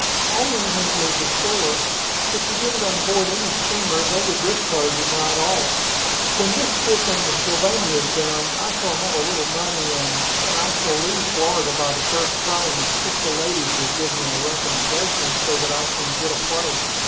"Only when he is ashore. If he did it on board any steamer, they would discharge him right off. When this trip in the Sylvania is done, I shall have a little money, and then I shall leave Florida by the first train, if the ladies will give me a recommendation so that I can get a place.